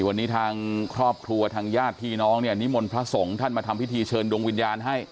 วันนี้ทางครอบครัวทางญาติพี่น้องเนี่ยนิมนต์พระสงฆ์ท่านมาทำพิธีเชิญดวงวิญญาณให้